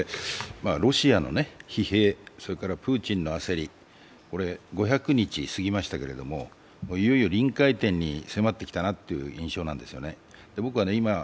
ロシアの疲弊、それからプーチンの焦り、これ５００日過ぎましたけれども、いよいよ臨界点に迫ってきた印象なんですよね。